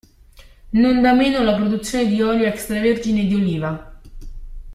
Non da meno la produzione di olio extra vergine di oliva.